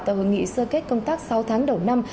tại hội nghị sơ kết công tác sáu tháng đầu năm